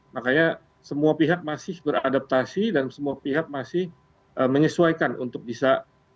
makanya semua pihak masih beradaptasi dan semua pihak masih menyesuaikan untuk bisa